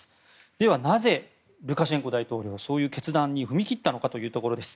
ではなぜ、ルカシェンコ大統領がそういう決断に踏み切ったのかというところです。